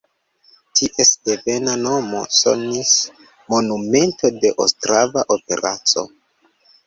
Ties devena nomo sonis Monumento de Ostrava operaco.